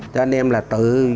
cho nên là tự